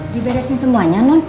diberesin semuanya nun